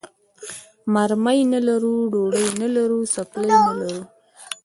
مرمۍ نه لرو، ډوډۍ نه لرو، څپلۍ نه لرو.